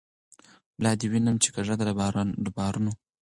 ملا دي وینم چی کږه ده له بارونو